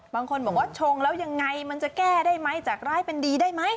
บางคนบอกว่าชงแล้วยังไงมันจะแก้ได้ไหมจากร้ายเป็นดีได้ไหม